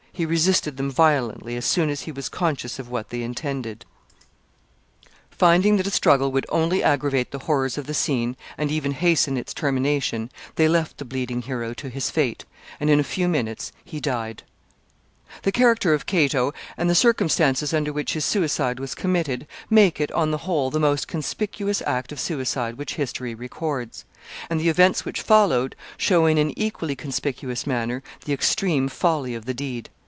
He resisted them violently as soon as he was conscious of what they intended. Finding that a struggle would only aggravate the horrors of the scene, and even hasten its termination, they left the bleeding hero to his fate, and in a few minutes he died. [Sidenote: Folly of his suicide.] The character of Cato, and the circumstances under which his suicide was committed, make it, on the whole, the most conspicuous act of suicide which history records; and the events which followed show in an equally conspicuous manner the extreme folly of the deed.